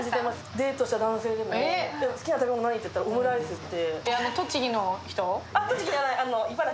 デートした男性でも好きな食べ物何？って聞いたらオムライスって。